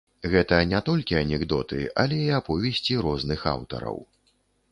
Гэта не толькі анекдоты, але і аповесці розных аўтараў.